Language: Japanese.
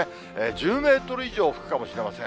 １０メートル以上吹くかもしれません。